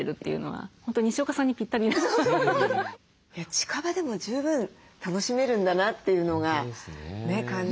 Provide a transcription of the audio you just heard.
近場でも十分楽しめるんだなというのがね感じられて。